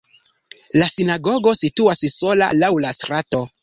La sinagogo situas sola laŭ la strato.